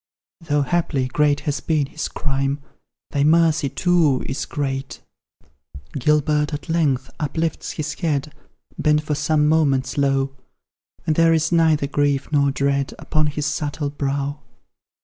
Though, haply, great has been his crime: Thy mercy, too, is great. Gilbert, at length, uplifts his head, Bent for some moments low, And there is neither grief nor dread Upon his subtle brow.